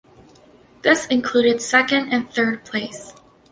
This included second and third place.